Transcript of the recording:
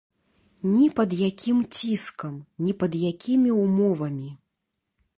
Ні пад якім ціскам, ні пад якімі ўмовамі.